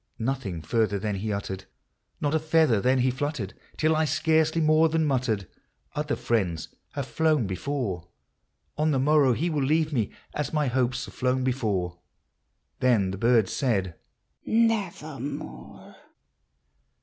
Nothing further then he uttered,— not a feather then he fluttered,— Till I scarcely more than muttered, " Other friends have flown hefore, — On the morrow he will leave me, as my hopes have flown before." Then the bird said, " Nevermore